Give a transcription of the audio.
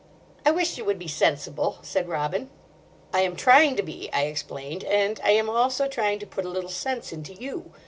"I wish you would be sensible," said Robin. "I am trying to be," I explained; "and I am also trying to put a little sense into you.